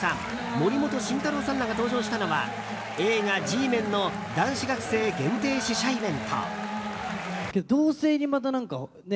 森本慎太郎さんらが登場したのは映画「Ｇメン」の男子学生限定試写イベント。